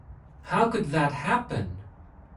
How could that happen?